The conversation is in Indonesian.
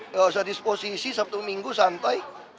nggak usah disposisi sabtu minggu santai